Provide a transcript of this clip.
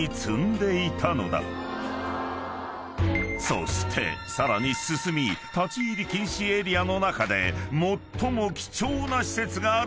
［そしてさらに進み立ち入り禁止エリアの中で最も貴重な施設があるという場所へ］